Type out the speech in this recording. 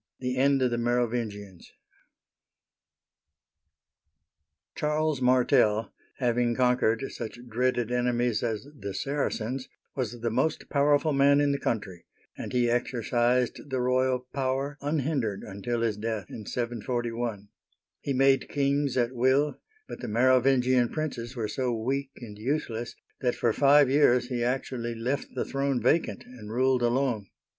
THE END OF THE MEROVINGIANS CHARLES MARTEL, having conquered such dreaded enemies as the Saracens, was the most powerful man in the country, and he exercised the royal power un hindered until his death in 741. He made kings at will, but the Merovingian princes were so weak and useless that for five years he actually left the throne vacant and ruled alone.